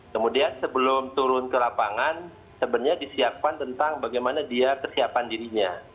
kemudian sebelum turun ke lapangan sebenarnya disiapkan tentang bagaimana dia kesiapan dirinya